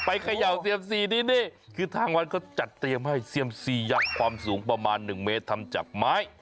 เขย่าเซียมซีนี่คือทางวัดเขาจัดเตรียมให้เซียมซียักษ์ความสูงประมาณ๑เมตรทำจากไม้